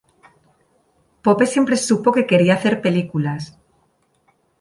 Pope siempre supo que quería hacer películas.